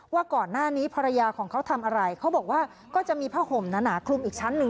ว่าก่อนหน้านี้ภรรยาของเขาทำอะไรเขาบอกว่าก็จะมีผ้าห่มหนาคลุมอีกชั้นหนึ่ง